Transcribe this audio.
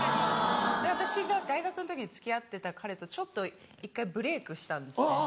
私が大学の時に付き合ってた彼と一回ブレイクしたんですね。